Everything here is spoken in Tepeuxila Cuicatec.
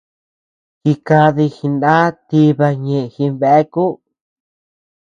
Jikadi jiná tiba ñeʼe jinbeaku.